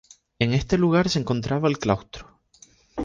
En este lugar se encontraba el claustro.